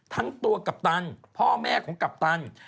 ทั้งตัวกัปตันพ่อแม่ของกัปตัน